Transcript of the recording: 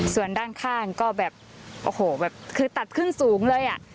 ส่วนด้านข้างก็แบบโอ้โหแบบคือตัดขึ้นสูงเลยอ่ะ